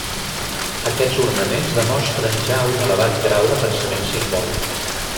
Aquests ornaments demostren ja un elevat grau de pensament simbòlic.